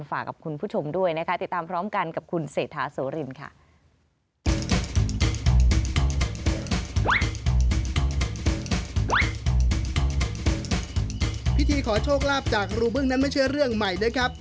ฝากกับคุณผู้ชมด้วยนะคะติดตามพร้อมกันกับคุณเศรษฐาโสรินค่ะ